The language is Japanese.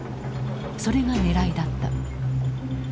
それがねらいだった。